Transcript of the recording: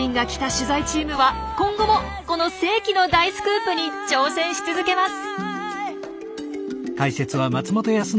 取材チームは今後もこの世紀の大スクープに挑戦し続けます。